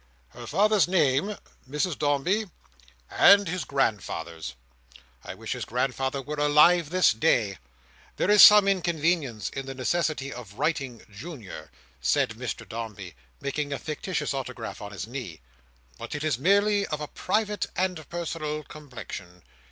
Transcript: "His father's name, Mrs Dombey, and his grandfather's! I wish his grandfather were alive this day! There is some inconvenience in the necessity of writing Junior," said Mr Dombey, making a fictitious autograph on his knee; "but it is merely of a private and personal complexion.